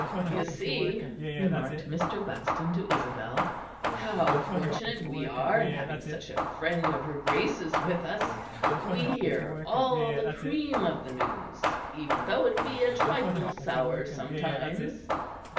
"You see," remarked Mr. Buxton to Isabel, "how fortunate we are in having such a friend of her Grace's with us. We hear all the cream of the news, even though it be a trifle sour sometimes."